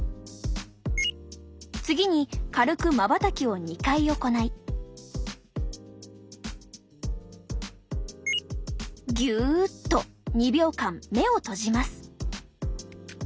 次に軽くまばたきを２回行いギュッと２秒間目を閉じます。